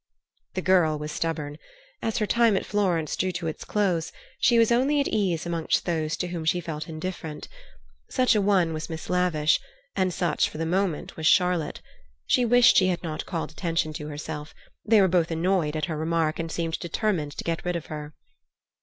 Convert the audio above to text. The girl was stubborn. As her time at Florence drew to its close she was only at ease amongst those to whom she felt indifferent. Such a one was Miss Lavish, and such for the moment was Charlotte. She wished she had not called attention to herself; they were both annoyed at her remark and seemed determined to get rid of her.